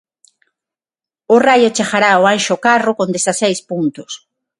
O Raio chegará ao Anxo Carro con dezaseis puntos.